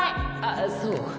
ああそう？